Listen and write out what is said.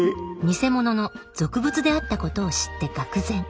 ニセモノの俗物であったことを知ってがく然。